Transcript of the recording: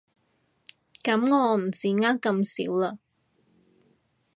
噉我唔止呃咁少了